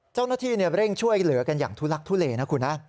เจ้าหน้าที่เร่งช่วยเหลือกันอย่างทุลักทุเลนะคุณนะ